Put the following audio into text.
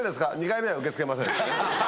２回目は受け付けません」。